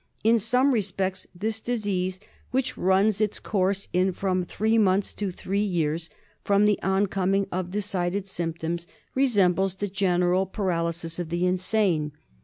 In some respects this disease, which runs its course 114 THE SLEEPING SICKNESS. in from three months to three years from the oncoming of decided symptoms, resembles the general paralysis of the insane.